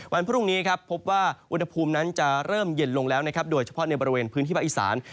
วันพรุ่งนี้ครับพบว่าอุณหภูมินั้นจะเริ่มเย็นลงแล้วนะครับโดยเฉพาะในบริเวณพื้นที่ภาคอีสาน